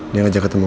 dia ngajak ketemu